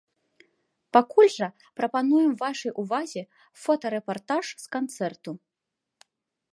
Пакуль жа прапануем вашай увазе фотарэпартаж з канцэрту.